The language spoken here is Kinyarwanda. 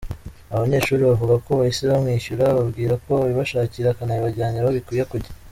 Aba banyeshuri bavuga ko bahise bamwishyura ababwira ko abibashakira akanabibajyanira aho bikwiye kujya.